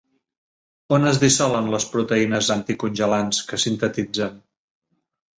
On es dissolen les proteïnes anticongelants que sintetitzen?